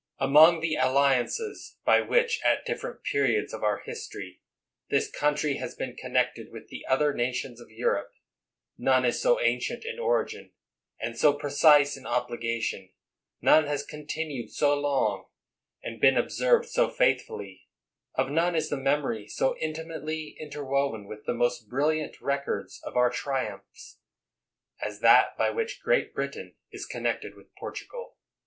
Among the alliances by which, at different periods of our history, this country has been connected with the other nations of Europe, none is so ancient in origin, and so precise in obliga tion — none has continued so long, and been ob served so faithfully — of none is the memory so intimately interwoven with the most brilliant records of our triumphs, as that by which Great Britain is connected with Portugal.